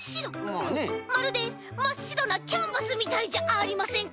まるでまっしろなキャンバスみたいじゃありませんか？